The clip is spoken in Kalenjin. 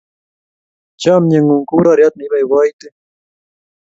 Chomye ng'ung' kou roryot ne ipoipoiti.